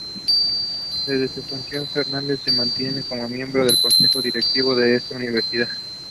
Desde su fundación, Fernández se mantiene como miembro del Consejo Directivo de esta universidad.